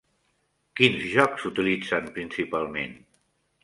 Quins jocs s'utilitzen principalment?